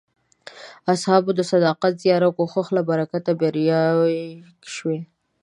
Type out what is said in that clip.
اصحابو د صداقت، زیار او کوښښ له برکته بریاوې شوې.